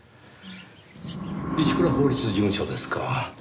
一倉法律事務所ですか。